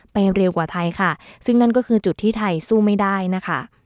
เร็วกว่าไทยค่ะซึ่งนั่นก็คือจุดที่ไทยสู้ไม่ได้นะคะ